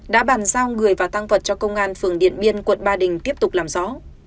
đã bàn giao người và tăng vật cho công an phường điện biên quận ba đình tiếp tục làm rõ